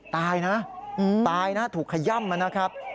ตายนะตายนะถูกขย่ำมานะครับ